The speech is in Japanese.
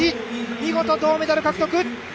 見事銅メダル獲得。